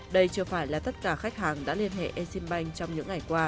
đây chưa phải là tất cả khách hàng đã liên hệ exim bank trong những ngày qua